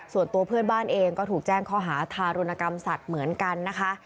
ส่วนตัวเพื่อนบ้านเองก็ถูกแจ้งข้อหาทารุณกรรมสัตว์เหมือนกันนะคะ